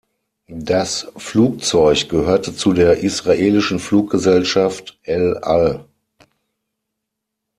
Das Flugzeug gehörte zu der israelischen Fluggesellschaft El Al.